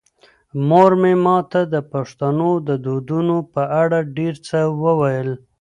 مور مې ماته د پښتنو د دودونو په اړه ډېر څه وویل.